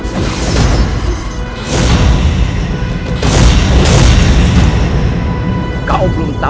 tidak ada yang bisa membalas dendam kepada